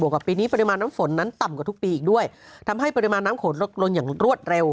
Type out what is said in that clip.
กับปีนี้ปริมาณน้ำฝนนั้นต่ำกว่าทุกปีอีกด้วยทำให้ปริมาณน้ำโขนลดลงอย่างรวดเร็ว